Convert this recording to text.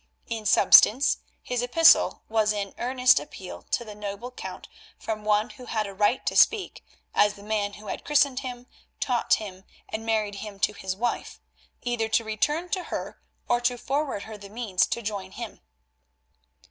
In substance this epistle was an earnest appeal to the noble count from one who had a right to speak, as the man who had christened him, taught him, and married him to his wife, either to return to her or to forward her the means to join him.